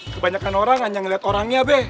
kebanyakan orang hanya melihat orangnya be